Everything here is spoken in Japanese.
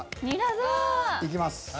いきます。